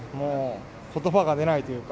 もう、ことばが出ないというか。